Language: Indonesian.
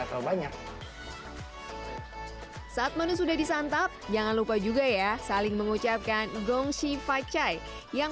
tahu banyak saat menu sudah disantap jangan lupa juga ya saling mengucapkan gong shi fa chai yang